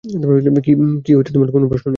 কি, কোন প্রশ্ন নেই?